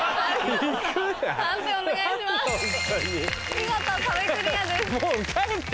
見事壁クリアです。